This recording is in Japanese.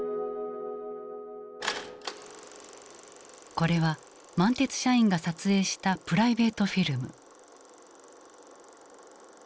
これは満鉄社員が撮影したプライベートフィルム。